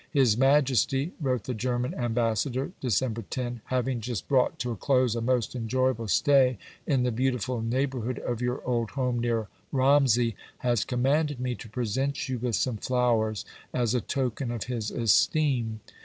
"His Majesty," wrote the German Ambassador (Dec. 10), "having just brought to a close a most enjoyable stay in the beautiful neighbourhood of your old home near Romsey, has commanded me to present you with some flowers as a token of his esteem."